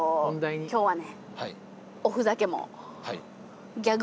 今日はね